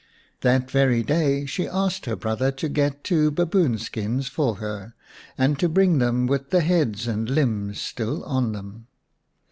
That very day she asked her brother to get two baboon skins for her, and to bring them with the heads and limbs still on them.